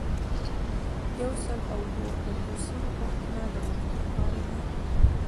یو سل او اووه پنځوسمه پوښتنه د مکتوب په اړه ده.